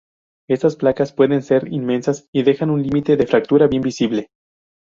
Estas placas pueden ser inmensas y dejan un límite de fractura bien visible.